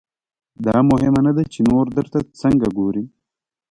دا مهمه نه ده چې نور درته څنګه ګوري.